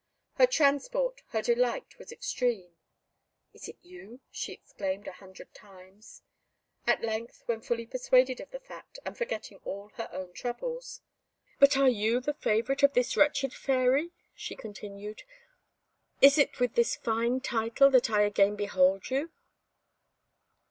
Her transport, her delight, was extreme. "Is it you?" she exclaimed a hundred times. At length, when fully persuaded of the fact, and forgetting all her own troubles "But are you the favourite of this wretched Fairy?" she continued. "Is it with this fine title that I again behold you."